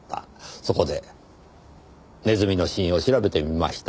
そこでネズミの死因を調べてみました。